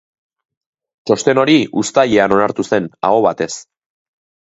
Txosten hori uztailean onartu zen, aho batez.